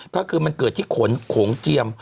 ก็คือมันเกิดที่ขนโขงเจียม